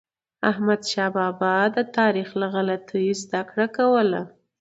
احمدشاه بابا به د تاریخ له غلطیو زدهکړه کوله.